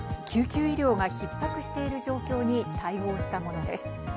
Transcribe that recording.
救急医療が逼迫している状況に対応したものです。